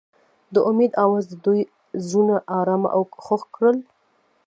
د امید اواز د دوی زړونه ارامه او خوښ کړل.